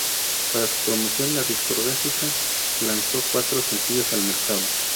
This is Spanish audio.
Para su promoción, la discográfica lanzó cuatro sencillos al mercado.